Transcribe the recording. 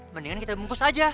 mendingan kita bungkus aja